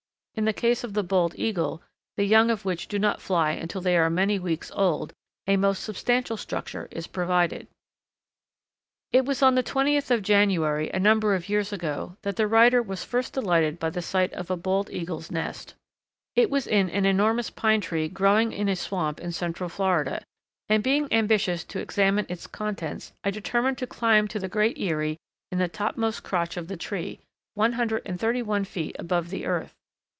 In the case of the Bald Eagle, the young of which do not fly until they are many weeks old, a most substantial structure is provided. [Illustration: Nest of the Ruby throated Hummingbird] It was on the twentieth of January, a number of years ago, that the writer was first delighted by the sight of a Bald Eagle's nest. It was in an enormous pine tree growing in a swamp in central Florida, and being ambitious to examine its contents, I determined to climb to the great eyrie in the topmost crotch of the tree, one hundred and thirty one feet above the earth.